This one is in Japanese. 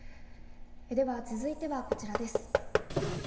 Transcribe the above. では続いてはこちらです。